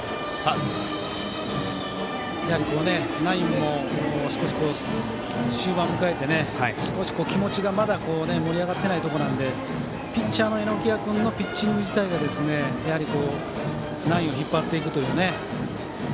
やはり、ナインも終盤を迎えて、少し気持ちが盛り上がっていないところなのでピッチャーの榎谷君のピッチング自体がナインを引っ張っていくというね。